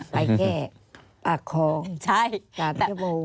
ไปแค่ปากคลอง๓ชั่วโมง